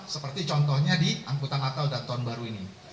seperti contohnya di angkutan atau datoran baru ini